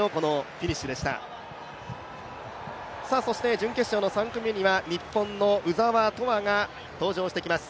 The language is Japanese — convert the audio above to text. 準決勝の３組目には日本の鵜澤飛羽が登場してきます。